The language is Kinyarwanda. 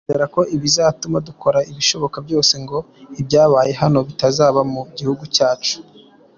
Ndizera ko bizatuma dukora ibishoboka byose ngo ibyabaye hano bitazaba mu gihugu cyacu”.